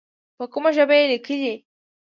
په کومه ژبه یې لیکې.